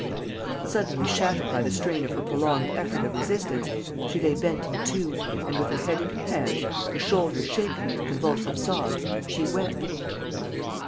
..." Suddenly shattered by the strain of her prolonged effort of resistance, she lay bent in two and, with her head in her hands, her shoulders shaken with convulsive sobs, she wept.